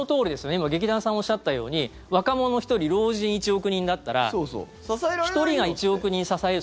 今、劇団さんがおっしゃったように若者１人、老人１億人だったら１人が１億人支える。